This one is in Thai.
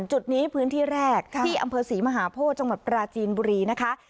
จุดนี้พื้นที่แรกที่อำเภอศรีมหาโพธิจังหวัดปราจีนบุรีนะคะ